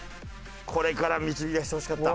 これから導き出してほしかった。